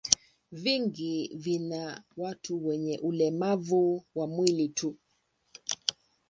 Vingi vina watu wenye ulemavu wa mwili tu.